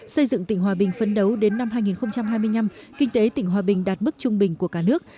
xây dựng tỉnh hòa bình phấn đấu đến năm hai nghìn hai mươi năm kinh tế tỉnh hòa bình đạt mức trung bình của cả nước